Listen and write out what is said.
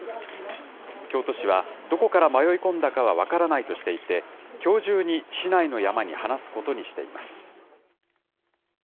京都市は、どこから迷い込んだかは分からないとしていて、きょう中に市内の山に放すことにしています。